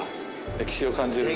歴史を感じる。